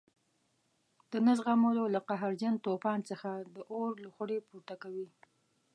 د نه زغملو له قهرجن توپان څخه د اور لوخړې پورته کوي.